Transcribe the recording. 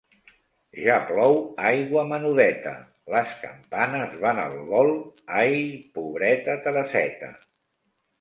Ja plou aigua menudeta, les campanes van al vol, ai pobreta Tereseta!